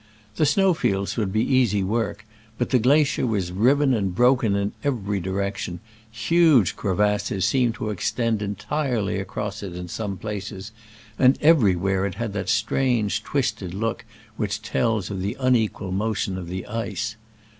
The snow fields would be easy work, but the glacier was riven and broken in every direction, huge crevasses seemed to extend entirely across it in some places, and everywhere it had that strange twisted look which tells of the unequal motion of the ice.